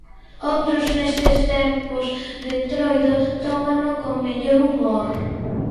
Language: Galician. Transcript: Outros neste tempos de entroido tómano con mellor humor.